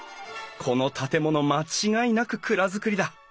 この建物間違いなく蔵造りだ。